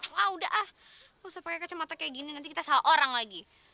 wah udah ah gak usah pakai kacamata kayak gini nanti kita salah orang lagi